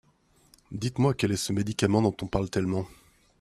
Dites-moi quel est ce médicament dont on parle tellement.